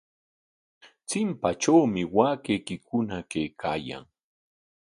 Chimpatrawmi waakaykikuna kaykaayan.